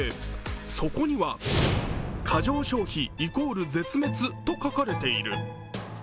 そこには、「過剰消費＝絶滅」と書かれている。